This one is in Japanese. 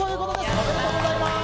おめでとうございます！